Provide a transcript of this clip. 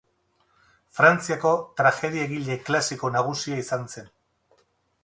Frantziako tragedia-egile klasiko nagusia izan zen.